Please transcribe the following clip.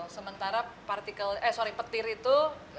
sementara petir itu